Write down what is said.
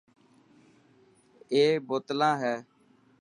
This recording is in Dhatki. اي بوتلنا هي .